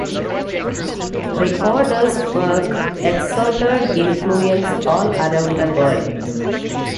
Ricardo's work exerted influence all around the world.